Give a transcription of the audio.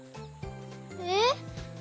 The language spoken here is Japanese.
えっ？